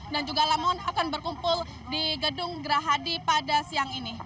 dan juga lamon akan berkumpul di gedung gerahadi pada siang ini